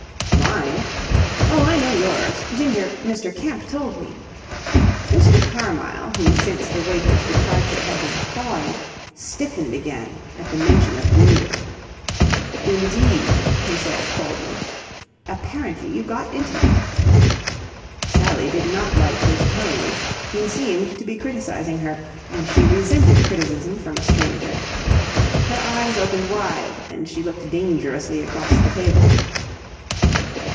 "Mine..." "Oh, I know yours. Ginger Mr. Kemp told me." Mr. Carmyle, who since the waiter's departure, had been thawing, stiffened again at the mention of Ginger. "Indeed?" he said, coldly. "Apparently you got intimate." Sally did not like his tone. He seemed to be criticizing her, and she resented criticism from a stranger. Her eyes opened wide and she looked dangerously across the table.